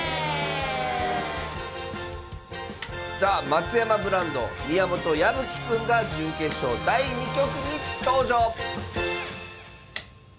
ザ・松山ブランド宮本弥吹くんが準決勝第２局に登場。